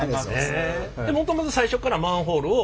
もともと最初からマンホールを？